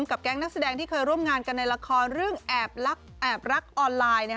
กับแก๊งนักแสดงที่เคยร่วมงานกันในละครเรื่องแอบรักออนไลน์